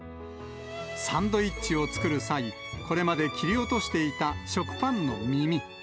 サンドイッチを作る際、これまで切り落としていた食パンの耳。